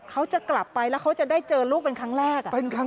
เขาจะกลับไปแล้วเขาจะได้เจอลูกเป็นครั้งแรก